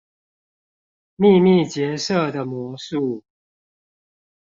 秘密結社的魔術